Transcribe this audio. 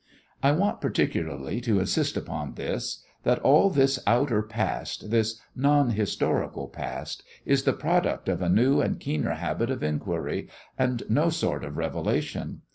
I want particularly to insist upon this, that all this outer past this non historical past is the product of a new and keener habit of inquiry, and no sort of revelation.